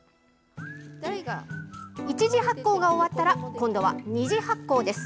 １次発酵が終わったら今度は２次発酵です。